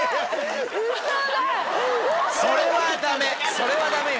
それはダメよ。